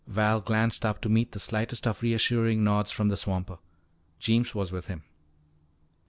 Val glanced up to meet the slightest of reassuring nods from the swamper. Jeems was with him.